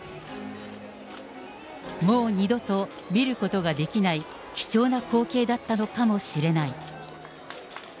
もう二度と見ることができない貴重な光景だったのかもしれない。